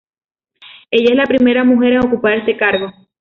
Ella es la primera mujer en ocupar este cargo.